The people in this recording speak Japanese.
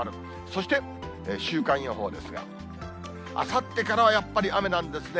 そして週間予報ですが、あさってからはやっぱり雨なんですね。